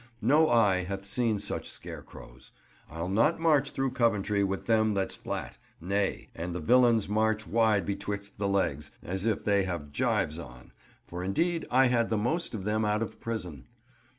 No eye hath seen such scarecrows. I'll not march through Coventry with them that's flat; nay, and the villains march wide betwixt the legs, as if they had gyves on; for indeed I had the most of them out of prison.